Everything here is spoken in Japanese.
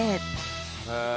へえ。